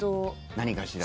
何かしら。